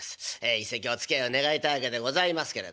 一席おつきあいを願いたいわけでございますけれども。